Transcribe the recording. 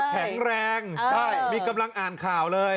แข็งแรงใช่มีกำลังอ่านข่าวเลย